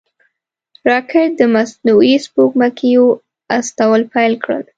راکټ د مصنوعي سپوږمکیو استول پیل کړل